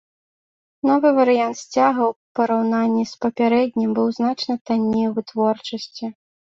Новы варыянт сцяга ў параўнанні з папярэднім быў значна танней у вытворчасці.